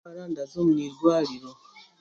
Ndaza omu eirwariro.